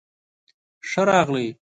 ښۀ راغلئ